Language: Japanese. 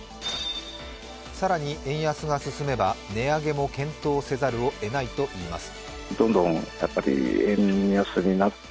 更に円安が進めば値上げを検討せざるを得ないといいます。